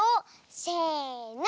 せの！